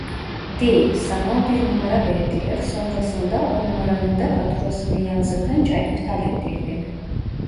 Değil, sanal bir numara verdiler sonrasında o numaranın da faturasını yansıtınca iptal ettirdim